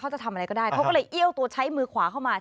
จะทำอะไรก็ได้เขาก็เลยเอี้ยวตัวใช้มือขวาเข้ามา